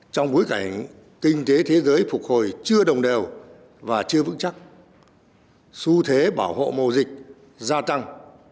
trong bối cảnh kinh tế thế giới phục hồi chưa đồng đều và chưa vững chắc xu thế bảo hộ mùa dịch gia tăng